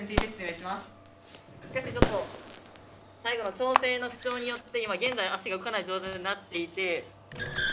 しかしちょっと最後の調整の不調によって今現在足が動かない状態となっていて。